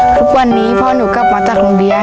ทุกวันนี้พ่อหนูกลับมาจากโรงเรียน